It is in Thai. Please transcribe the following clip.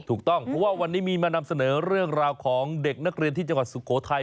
ถูกต้องเพราะว่าวันนี้มีมานำเสนอเรื่องราวของเด็กนักเรียนที่จังหวัดสุโขทัย